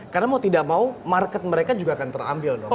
karena mau tidak mau market mereka juga akan terambil dong